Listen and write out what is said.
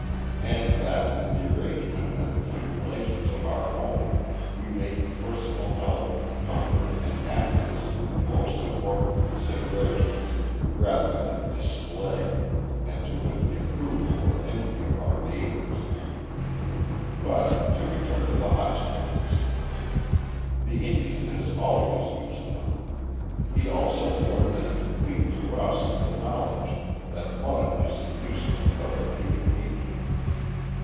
And that, in the arrangements and accumulations of our home we make personal health, comfort and happiness the most important considerations, rather than display, and to win the approval or envy of our neighbors. But to return to the hot springs. The Indian has always used them. He also learned and bequeathed to us the knowledge that mud is a useful therapeutic agent.